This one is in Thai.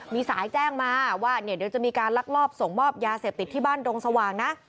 มีสายแจ้งมาว่าเดี๋ยวจะมีการลักลอบส่งมอบยาเสพติดที่บ้านดงสว่างนะ